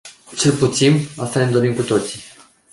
Cel puțin, asta ne dorim cu toții.